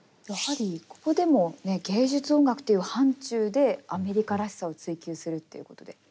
やはりここでもね芸術音楽という範ちゅうでアメリカらしさを追求するっていうことで。